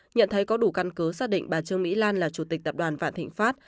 nhận thấy có đủ căn cứ xác định bà trương mỹ lan là chủ tịch tập đoàn vạn thịnh pháp